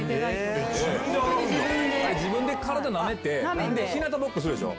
自分で体なめて日なたぼっこするでしょ。